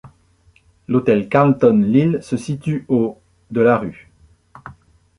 L'hôtel Carlton Lille se situe au de la rue.